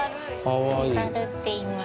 光っていいます。